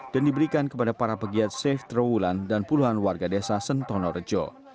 dan diberikan kepada para pegiat safe trawulan dan puluhan warga desa sentono rejo